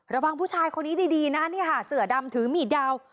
ระวังผู้ชายคนนี้ดีนะเนี่ยค่ะเสือดำถือมีดยาว